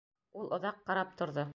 Ул оҙаҡ ҡарап торҙо.